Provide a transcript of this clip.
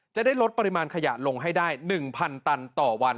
จะได้ลดปริมาณขยะลงให้ได้๑๐๐ตันต่อวัน